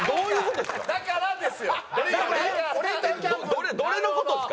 どれどれの事ですか？